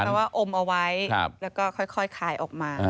เพราะว่าอมเอาไว้แล้วก็ค่อยขายออกมา